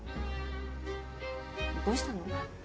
どうしたの？